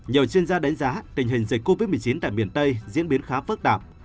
nhiều chuyên gia đánh giá tình hình dịch covid một mươi chín tại miền tây diễn biến khá phức tạp